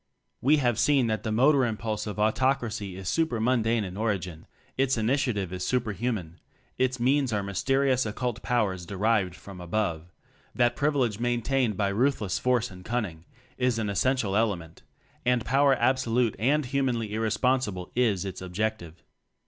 We have seen that the motor im pulse of Autocracy is super mundane in origin; its initiative is super human; its means are mysterious occult powers derived from "above"; that privilege maintained by ruthless force and cunning is an essential element; and power absolute and humanly irresponsible is its objec tive.